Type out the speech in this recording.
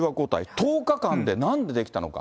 １０日間で、なんでできたのか。